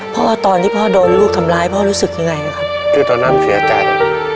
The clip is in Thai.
ตอนที่พ่อโดนลูกทำร้ายพ่อรู้สึกยังไงครับคือตอนนั้นเสียใจ